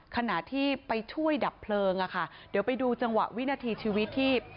ขณะที่ไปช่วยดับเพลิงอะค่ะเดี๋ยวไปดูจังหวะวินาทีชีวิตที่